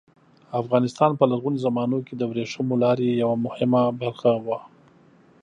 افغانستان په لرغونو زمانو کې د ورېښمو لارې یوه مهمه برخه وه.